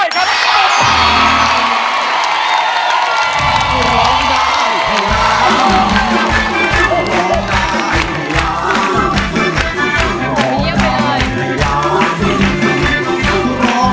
ร้องได้ให้ร้าง